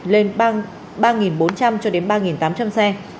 lên ba bốn trăm linh cho đến ba tám trăm linh xe